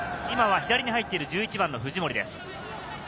今は左に入っている１１番の藤森です。